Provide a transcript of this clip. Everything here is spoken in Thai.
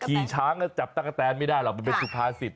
ขี่ช้างจับตั๊กกะแตนไม่ได้หรอกมันเป็นสุภาษิต